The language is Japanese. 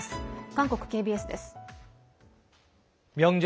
韓国ＫＢＳです。